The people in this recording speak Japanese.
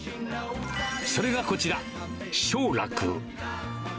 それがこちら、勝楽。